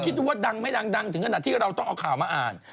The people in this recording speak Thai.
ดูว่าดังไม่ดังถึงขนาดที่เราต้องเอาข่าวมาอ่าน